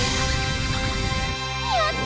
やった！